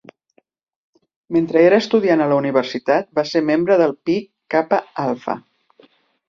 Mentre era estudiant a la universitat va ser membre del Pi Kappa Alpha.